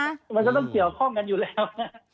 มันก็ต้องเกี่ยวข้องกันอยู่แล้ว